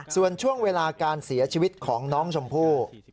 ส่วนช่วงเวลาการเสียชีวิตของน้องชมพู่